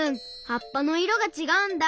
はっぱのいろがちがうんだ。